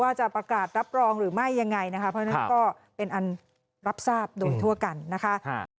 จะประกาศรับรองหรือไม่ยังไงนะคะเพราะฉะนั้นก็เป็นอันรับทราบโดยทั่วกันนะคะ